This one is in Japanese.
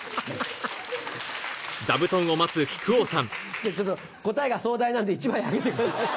じゃあちょっと答えが壮大なんで１枚あげてください。